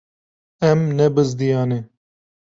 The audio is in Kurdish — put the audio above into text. Em nebizdiyane.